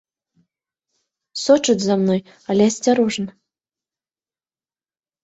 Сочаць за мной, але асцярожна.